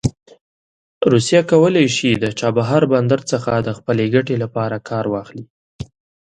روسیه کولی شي د چابهار بندر څخه د خپلې ګټې لپاره کار واخلي.